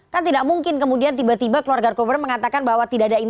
kan tidak mungkin kemudian tiba tiba keluarga korban mengatakan bahwa